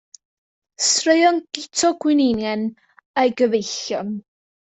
Straeon Guto Gwningen a'i Gyfeillion.